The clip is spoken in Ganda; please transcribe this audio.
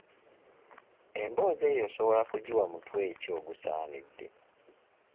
Emboozi eyo osobola kugiwa mutwe ki ogugisaana?